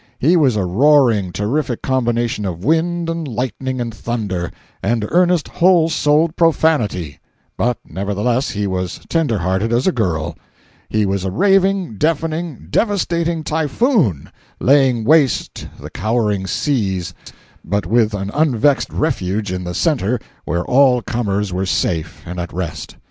He was a roaring, terrific combination of wind and lightning and thunder, and earnest, whole souled profanity. But nevertheless he was tender hearted as a girl. He was a raving, deafening, devastating typhoon, laying waste the cowering seas but with an unvexed refuge in the centre where all comers were safe and at rest.